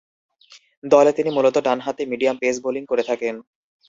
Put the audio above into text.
দলে তিনি মূলতঃ ডানহাতি মিডিয়াম-পেস বোলিং করে থাকেন।